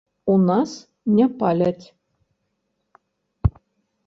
У нас не паляць.